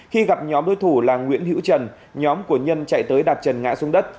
khi gặp nhóm đối thủ là nguyễn hữu trần nhóm của nhân chạy tới đạp trần ngã xuống đất